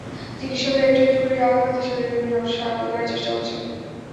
চিকিৎসকেরা একটু একটু করে আরাফাতের শরীরের বিভিন্ন অংশ স্বাভাবিক করার চেষ্টা করছেন।